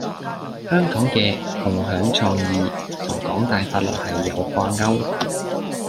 香港嘅「共享創意」同港大法律系有掛鉤